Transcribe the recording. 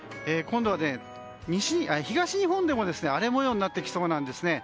今度は東日本でも荒れ模様になってきそうなんです。